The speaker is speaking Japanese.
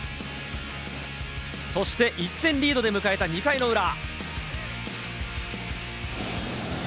そして１点リードで迎えた２回の裏。